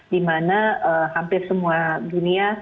di mana hampir semua dunia